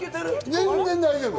全然大丈夫！